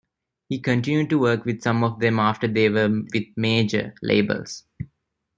He continued to work with some of them after they were with major labels.